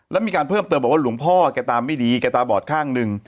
แล้วมีการเพิ่มเติมบอกว่าหลวงพ่อแกตาไม่ดีแกตาบอดข้างหนึ่ง